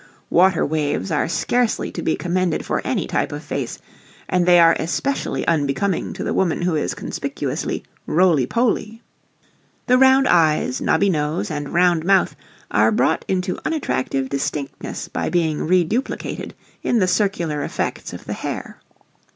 Water waves are scarcely to be commended for any type of face, and they are especially unbecoming to the woman who is conspicuously "roly poly." The round eyes, knobby nose, and round mouth are brought into unattractive distinctness by being re duplicated in the circular effects of the hair.